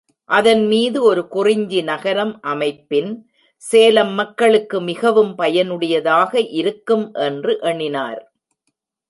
அதன் மீது ஒரு குறிஞ்சி நகரம் அமைப்பின் சேலம் மக்களுக்கு மிகவும் பயனுடையதாக இருக்கும் என்று எண்ணினார்.